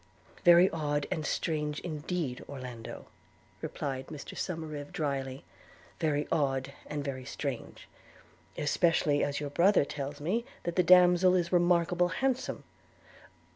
'Very odd and strange indeed, Orlando,' replied Mr Somerive drily – 'very odd and very strange! – especially as your brother tells me that the damsel is remarkable handsome.'